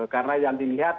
karena yang dilihat